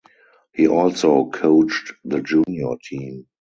He also coached the junior team.